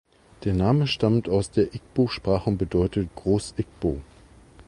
Der Name stammt aus der Igbo-Sprache und bedeutet "Groß-Igbo".